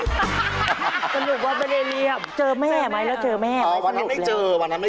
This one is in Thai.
สนุกว่าเป็นเรียม